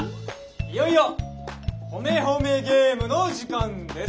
いよいよ「ほめほめゲーム」の時間です。